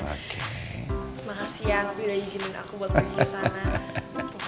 makasih ya tapi udah izinin aku buat pergi disana